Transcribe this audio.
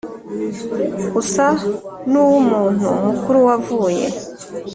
usa nuwumuntu mukuru wavuye